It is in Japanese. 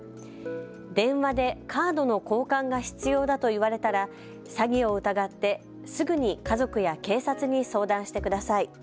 電話でカードの交換が必要だと言われたら詐欺を疑ってすぐに家族や警察に相談してください。